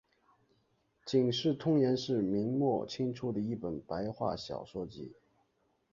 警世通言是明末清初的一本白话小说集。